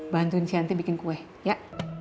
bantuin si ante bikin kue ya